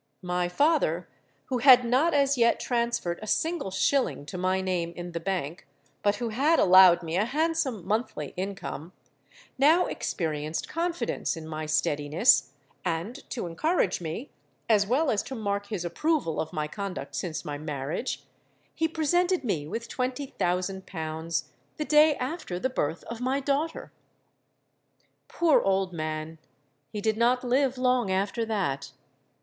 My father, who had not as yet transferred a single shilling to my name in the Bank, but who had allowed me a handsome monthly income, now experienced confidence in my steadiness; and to encourage me, as well as to mark his approval of my conduct since my marriage, he presented me with twenty thousand pounds the day after the birth of my daughter. Poor old man! he did not live long after that!